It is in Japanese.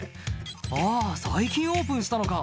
「あぁ最近オープンしたのか」